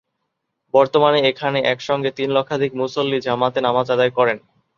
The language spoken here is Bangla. বর্তমানে এখানে একসঙ্গে তিন লক্ষাধিক মুসল্লি জামাতে নামাজ আদায় করেন।